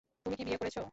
তুমি কি বিয়ে করেছ?